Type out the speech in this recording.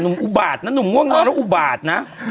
อุบาทนะหนุ่มง่วงงอแล้วอุบาตนะ